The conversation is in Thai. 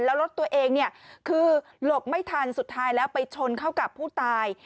แล้วรถตัวเองเนี่ยคือหลบไม่ทันสุดท้ายแล้วไปชนเข้ากับผู้ตาย